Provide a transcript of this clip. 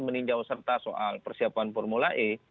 meninjau serta soal persiapan formula e